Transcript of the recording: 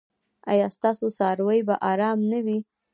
ایا ستاسو څاروي به ارام نه وي؟